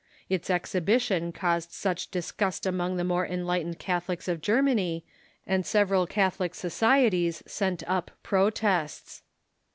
Its exhibition caused much disgust among the Seamless Coat ^° more enlightened Catholics of Germany, and sev eral Catholic societies sent up protests.